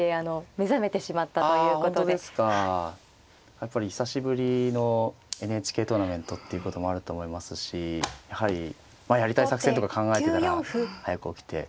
やっぱり久しぶりのＮＨＫトーナメントっていうこともあると思いますしやはりまあやりたい作戦とか考えてたら早く起きて。